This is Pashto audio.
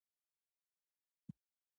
پۀ خاؤره د پښتون باندې رسمونه ټول پردي دي